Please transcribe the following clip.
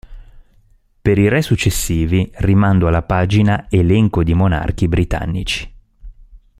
Per i re successivi, rimando alla pagina Elenco di monarchi britannici.